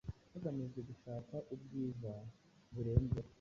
hagamijwe gushaka ubwiza.burenzeho